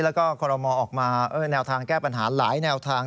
แล้วก็คอรมอออกมาแนวทางแก้ปัญหาหลายแนวทาง